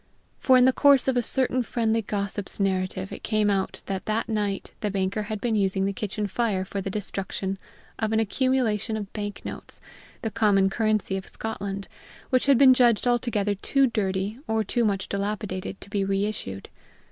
For, in the course of a certain friendly gossip's narrative, it came out that that night the banker had been using the kitchen fire for the destruction of an accumulation of bank notes, the common currency of Scotland, which had been judged altogether too dirty, or too much dilapidated, to be reissued.